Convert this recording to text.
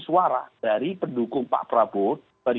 suara dari pendukung pak prabowo